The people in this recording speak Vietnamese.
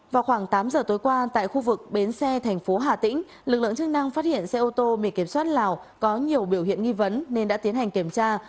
vào khoảng tám giờ tối qua tại khu vực bến xe thành phố hà tĩnh lực lượng chức năng phát hiện xe ô tô mì kiểm soát lào có nhiều biểu hiện nghi vấn nên đã tiến hành kiểm tra